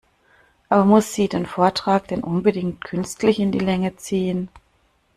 Aber muss sie den Vortrag denn unbedingt künstlich in die Länge ziehen?